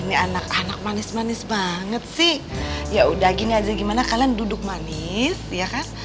ini anak anak manis manis banget sih ya udah gini aja gimana kalian duduk manis ya kan